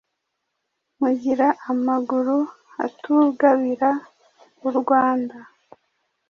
Mugira amaguru atugabira urwanda